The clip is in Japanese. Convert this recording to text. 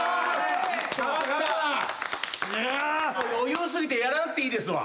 余裕過ぎてやらなくていいですわ。